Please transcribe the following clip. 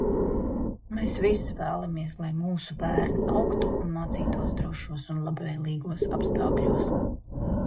Mēs visi vēlamies, lai mūsu bērni augtu un mācītos drošos un labvēlīgos apstākļos.